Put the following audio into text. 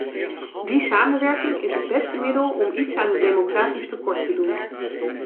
Die samenwerking is het beste middel om iets aan het democratisch tekort te doen.